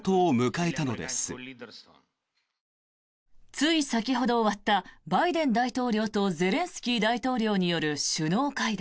つい先ほど終わったバイデン大統領とゼレンスキー大統領による首脳会談。